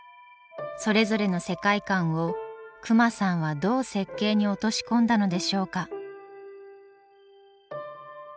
それぞれの世界観を隈さんはどう設計に落とし込んだのでしょうか？